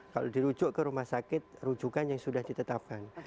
kalau dirujuk ke rumah sakit rujukan yang sudah ditetapkan